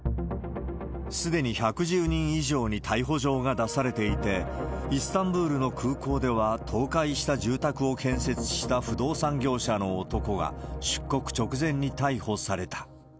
すでに１１０人以上に逮捕状が出されていて、イスタンブールの空港では、倒壊した住宅を建設した不動産業者の男が出国直前に逮捕された。